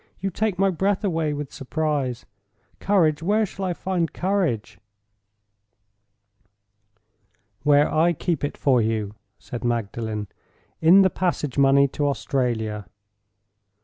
"You take my breath away with surprise. Courage! Where shall I find courage?" "Where I keep it for you," said Magdalen—"in the passage money to Australia.